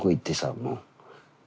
もう。